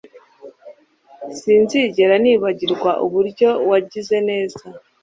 sinzigera nibagirwa uburyo wagize neza